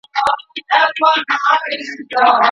سوله بې ارزښته نه ده.